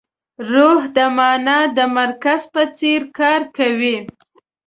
روح د مانا د مرکز په څېر کار کوي.